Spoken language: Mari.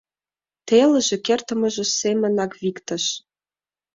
Телыже кертмыже семынак виктыш